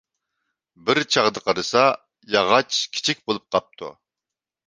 بىر چاغدا قارىسا، ياغاچ كىچىك بولۇپ قاپتۇ.